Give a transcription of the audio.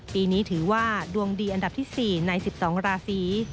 ปีนี้ถือว่าดวงดีอันดับที่๔ใน๑๒ราศี